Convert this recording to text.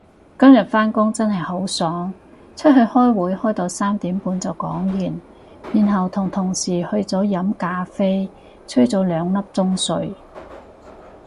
今日返工真係好爽，出去開會開到三點半就講完，然後同同事去咗飲咖啡吹咗兩粒鐘水